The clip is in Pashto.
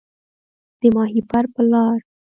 د ماهیپر په لار